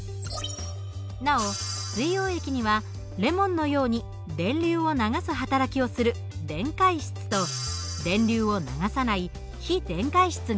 なお水溶液にはレモンのように電流を流す働きをする電解質と電流を流さない非電解質があります。